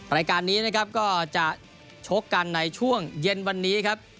รายการนี้นะครับก็จะชกกันในช่วงเย็นวันนี้ครับ